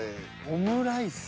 オムライス。